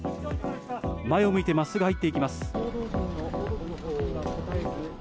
前を向いてまっすぐ入っていきます。